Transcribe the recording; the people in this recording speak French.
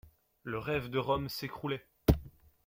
Le rêve de Rome s'écroulait.